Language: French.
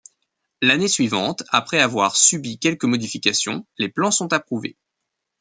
L'année suivante, après avoir subi quelques modifications, les plans sont approuvés.